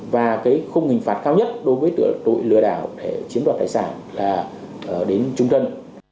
và không hình phạt cao nhất đối với tội lừa đảo chiếm đoạt tài sản là đến trung tân